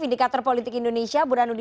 indikator politik indonesia